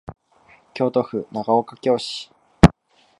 京都府長岡京市